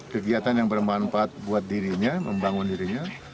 kegiatan yang bermanfaat buat dirinya membangun dirinya